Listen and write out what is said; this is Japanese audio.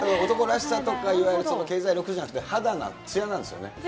男らしさとかいわゆる経済力じゃなくて、肌、つやなんですよね。